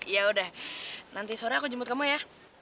ya udah nanti sore aku jemput kamu ya